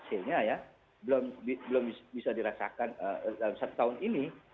wujudnya atau bisa dikatakan hasilnya ya belum bisa dirasakan dalam satu tahun ini